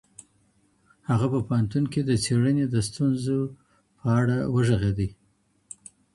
هغه په پوهنتون کي د څيړني د ستونزو په اړه وږغيدی.